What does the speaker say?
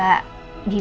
aku harus bisa